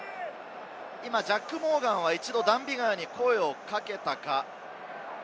ジャック・モーガンは一度、ダン・ビガーに声をかけたか？